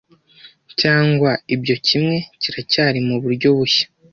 cyangwa ibyo kimwe kiracyari muburyo bushya